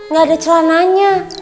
gak ada celananya